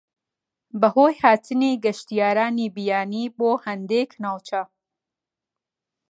بەهۆی هاتنی گەشتیارانی بیانی بۆ هەندێک ناوچە